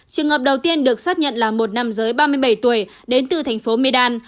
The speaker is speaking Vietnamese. trường hợp đầu tiên được xác nhận là một nam giới ba mươi bảy tuổi đến từ thành phố medan